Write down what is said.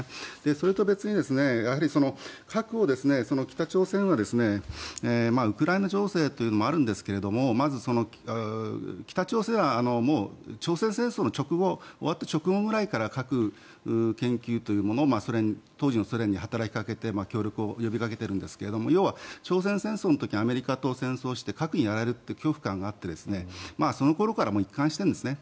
それと別に、やはり核を北朝鮮がウクライナ情勢というのもあるんですけどもまず、北朝鮮はもう朝鮮戦争の終わった直後ぐらいから核研究というものを当時のソ連に働きかけて協力を呼びかけているんですが要は朝鮮戦争の時にアメリカと戦争して核にやられるという恐怖感があってその頃から一貫してるんですね。